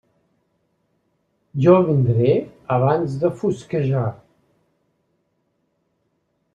Jo vindré abans de fosquejar.